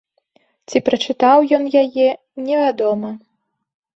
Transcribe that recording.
Ці прачытаў ён яе, невядома.